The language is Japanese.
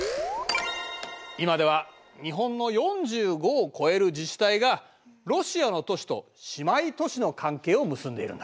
今では日本の４５を超える自治体がロシアの都市と姉妹都市の関係を結んでいるんだ。